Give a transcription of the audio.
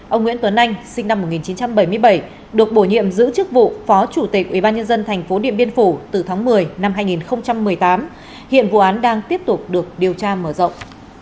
ông nguyễn tuấn anh sinh năm một nghìn chín trăm bảy mươi bảy được bổ nhiệm giữ chức vụ phó chủ tịch ubnd tp điện biên phủ từ tháng một mươi năm hai nghìn một mươi tám hiện vụ án đang tiếp tục được điều tra mở rộng